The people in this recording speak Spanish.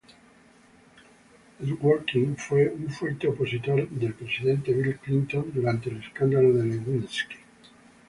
Dworkin fue un fuerte opositor del presidente Bill Clinton durante el escándalo de Lewinsky.